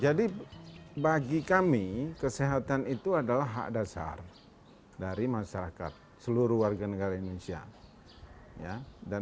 jadi bagi kami kesehatan itu adalah hak dasar dari masyarakat seluruh warga negara indonesia